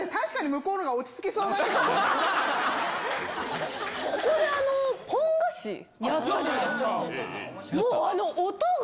ここでポン菓子やったじゃないですか。